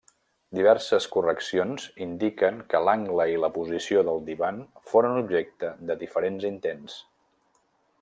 Diverses correccions indiquen que l'angle i la posició del divan foren objecte de diferents intents.